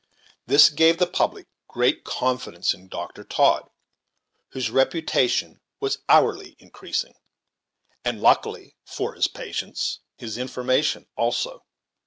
This gave the public great confidence in Dr. Todd, whose reputation was hourly increasing, and, luckily for his patients, his information also.